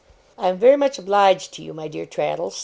'I am very much obliged to you, my dear Traddles!